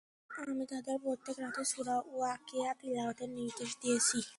আমি তাদের প্রত্যেক রাতে সূরা ওয়াকেয়া তিলাওয়াতের নির্দেশ দিয়েছি।